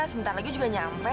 sebentar lagi juga nyampe